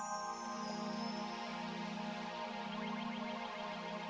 aku mau jemput tante